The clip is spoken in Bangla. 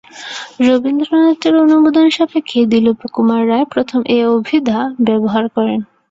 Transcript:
রবীন্দ্রনাথের অনুমোদন সাপেক্ষে দিলীপকুমার রায় প্রথম এ অভিধা ব্যবহার করেন।